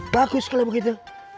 bagus kalau begitu